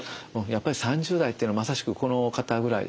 やっぱり３０代っていうのはまさしくこの方ぐらいですね。